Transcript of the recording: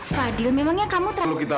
masalah mother termahir